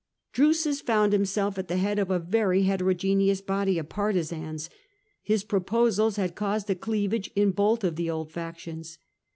Drusus found himself at the head of a very hetero geneous body of partisans. His proposals had caused a cleavage in both of the old factions.